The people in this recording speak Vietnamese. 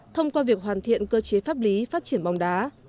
thông qua việc hoàn thiện cơ chế pháp lý phát triển bóng đá